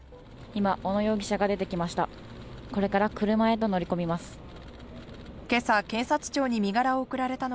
今、小野容疑者が出てきました。